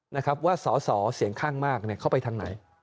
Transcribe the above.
นะครับว่าสอสอเสียงข้างมากเนี่ยเข้าไปทางไหน